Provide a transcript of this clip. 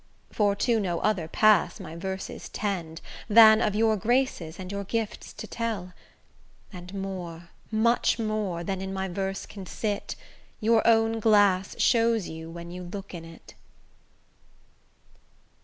For to no other pass my verses tend Than of your graces and your gifts to tell; And more, much more, than in my verse can sit, Your own glass shows you when you look in it.